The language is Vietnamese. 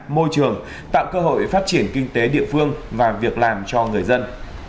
môi trường tạo cơ hội phát triển kinh tế địa phương và việc làm cho người dân